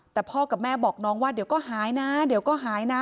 แต่พ่อกับแม่บอกน้องว่าเดี๋ยวก็หายนะเดี๋ยวก็หายนะ